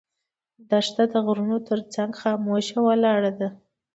دښته د غرونو تر څنګ خاموشه ولاړه ده.